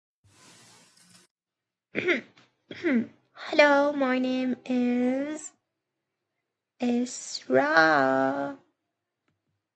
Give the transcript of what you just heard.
Old Mill also has major accomplishments in wrestling, track and field and basketball.